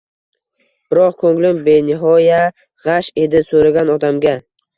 biroq ko‘nglim benihoya g‘ash edi, so‘ragan odamga: